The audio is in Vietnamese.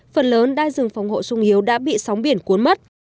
phần lớn đai rừng phòng hộ sung yếu đã bị sóng biển cuốn mất